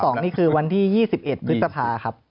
นี่คือวันที่๒๑พฤษภาครับ